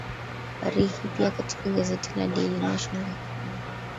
habari hii pia katika gazeti la daily nation la kenya